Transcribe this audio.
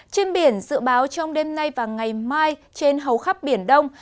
trên biển dự báo trong đêm nay và ngày mai trên hầu khắp biển đông